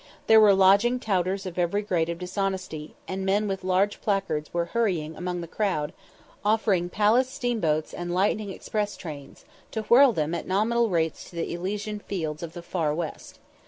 There were lodging touters of every grade of dishonesty, and men with large placards were hurrying among the crowd, offering "palace" steamboats and "lightning express" trains, to whirl them at nominal rates to the Elysian Fields of the Far West.